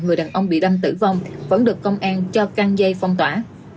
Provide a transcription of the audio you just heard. người đàn ông bị đâm tử vong vẫn được công an cho căng dây phong tỏa